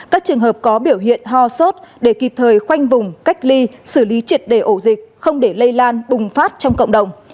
các trường hợp có biểu hiện ho sốt để kịp thời khoanh vùng cách ly xử lý triệt đề ổ dịch không để lây lan bùng phát trong cộng đồng